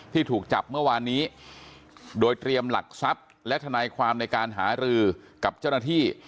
ถูกจับเมื่อวานนี้โดยเตรียมหลักทรัพย์และทนายความในการหารือกับเจ้าหน้าที่